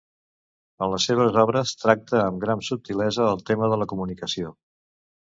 En les seves obres tracta amb gran subtilesa el tema de la comunicació.